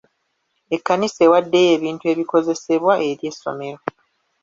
Ekkanisa ewaddeyo ebintu ebikozesebwa eri essomero.